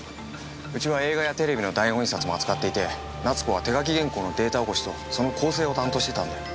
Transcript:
うちは映画やテレビの台本印刷も扱っていて奈津子は手書き原稿のデータ起こしとその校正を担当してたんだよ。